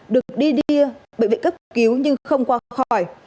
được đi đia bị bị cấp cứu nhưng không qua khỏi